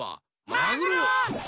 マグロ！